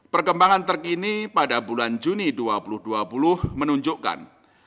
perkembangan terkini pada bulan juni dua ribu dua puluh menunjukkan